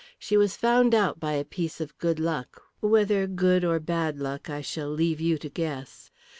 She was found out by a piece of good luck whether good or bad luck I shall leave you to guess.